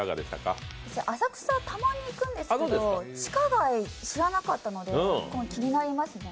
浅草たまに行くんですけど地下街知らなかったので気になりますね。